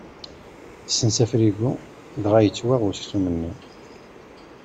Tessens afrigu dɣa yettwaɣ aksum-nni.